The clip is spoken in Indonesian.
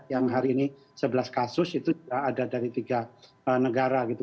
yang hari ini sebelas kasus itu ada dari tiga negara gitu